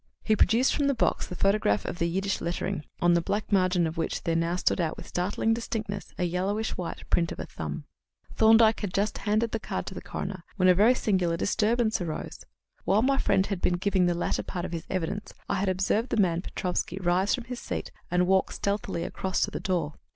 He produced from the box the photograph of the Yiddish lettering, on the black margin of which there now stood out with startling distinctness a yellowish white print of a thumb. Thorndyke had just handed the card to the coroner when a very singular disturbance arose. While my friend had been giving the latter part of his evidence, I had observed the man Petrofsky rise from his seat and walk stealthily across to the door.